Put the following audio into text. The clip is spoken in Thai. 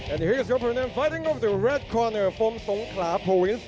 แล้วเจ้าผู้ชมของเราอยู่บรรดายลูกการ์นอนของสงคราโปรวินทร์